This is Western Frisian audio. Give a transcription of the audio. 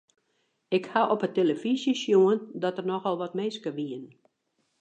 Ik haw op 'e telefyzje sjoen dat der nochal wat minsken wiene.